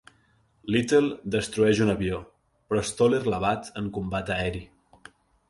Little destrueix un avió, però Stoller l'abat en combat aeri.